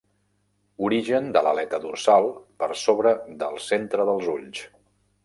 Origen de l'aleta dorsal per sobre del centre dels ulls.